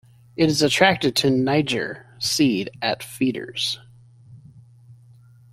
It is attracted to niger seed at feeders.